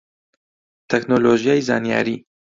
تەکنۆلۆژیای زانیاری